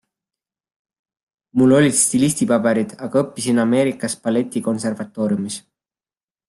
Mul olid stilistipaberid, aga õppisin Ameerikas balletikonservatooriumis.